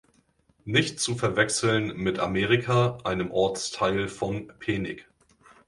Nicht zu verwechseln mit Amerika, einem Ortsteil von Penig.